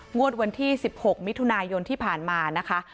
งวดวันที่๑๖มิถุนายนที่ผ่านมานะคะ